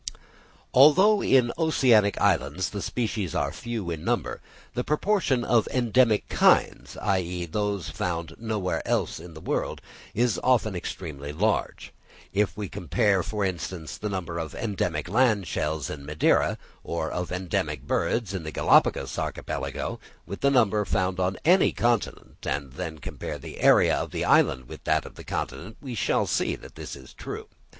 Although in oceanic islands the species are few in number, the proportion of endemic kinds (i.e. those found nowhere else in the world) is often extremely large. If we compare, for instance, the number of endemic land shells in Madeira, or of endemic birds in the Galapagos Archipelago, with the number found on any continent, and then compare the area of the island with that of the continent, we shall see that this is true.